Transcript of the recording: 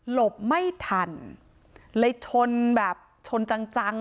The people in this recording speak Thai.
หลบไม่ทันเลยชนแบบชนจัง